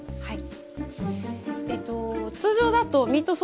はい。